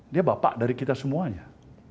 dia bapak dari kita semuanya